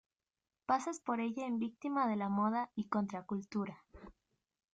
Pasas por ella en Victima de la moda y Contracultura.